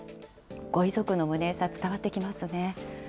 ご遺族の無念さ、伝わってきますね。